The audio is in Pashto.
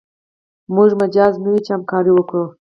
موږ مجاز نه یو چې همکاري وکړو.